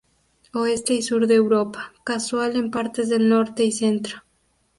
Oeste y sur de Europa; casual en partes del norte y centro.